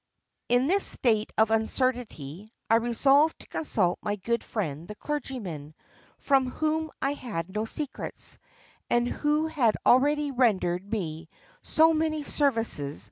"In this state of uncertainty, I resolved to consult my good friend the clergyman, from whom I had no secrets, and who had already rendered me so many services.